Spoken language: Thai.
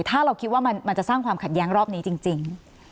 ถ้าเราคิดว่ามันจะสร้างความขัดแย้งรอบนี้จริง